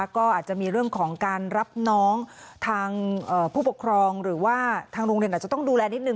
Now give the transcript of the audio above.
ก็อาจจะมีเรื่องของการรับน้องทางผู้ปกครองหรือว่าทางโรงเรียนอาจจะต้องดูแลนิดนึ